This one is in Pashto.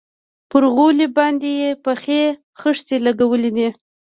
پر غولي باندې يې پخې خښتې لگېدلي دي.